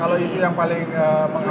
kalau isu yang paling